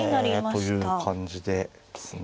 へえという感じですね。